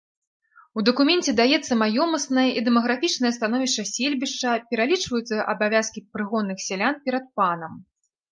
У дакуменце даецца маёмаснае і дэмаграфічнае становішча сельбішча, пералічваюцца абавязкі прыгонных сялян перад панам.